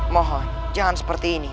mohon jangan seperti ini